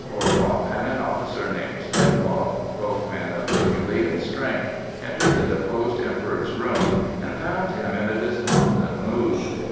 Orloff and an officer named Tepelof—both men of herculean strength—entered the deposed Emperor's room, and found him in a despondent mood.